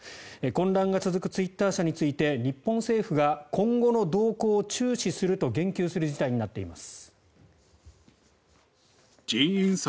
混乱が続くツイッター社について日本政府が今後の動向を注視すると言及する事態になっています。